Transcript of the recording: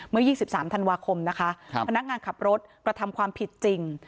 เมื่อ๒๓ธันวาคมนะคะพนักงานขับรถกระทำความผิดจริง